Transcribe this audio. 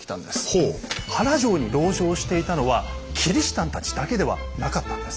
原城に籠城していたのはキリシタンたちだけではなかったんです。